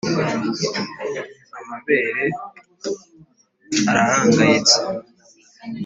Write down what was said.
amabere arahangayitse